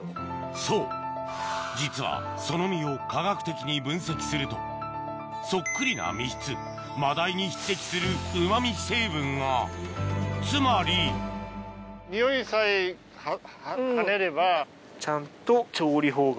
そう実はその身を科学的に分析するとそっくりな身質マダイに匹敵するうま味成分がつまりおいしくできる方法が。